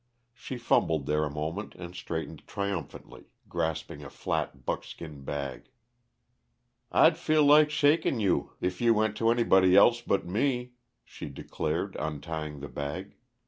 She fumbled there a moment and straightened triumphantly, grasping a flat, buckskin bag. "I'd feel like shakin' you if you went to anybody else but me," she declared, untying the bag.